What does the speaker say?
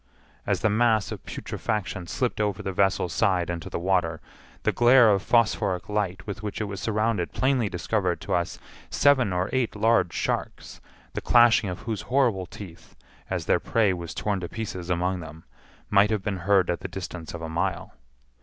As the mass of putrefaction slipped over the vessel's side into the water, the glare of phosphoric light with which it was surrounded plainly discovered to us seven or eight large sharks, the clashing of whose horrible teeth, as their prey was torn to pieces among them, might have been heard at the distance of a mile.